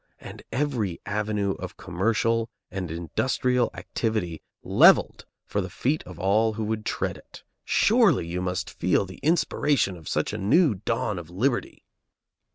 and every avenue of commercial and industrial activity levelled for the feet of all who would tread it? Surely, you must feel the inspiration of such a new dawn of liberty!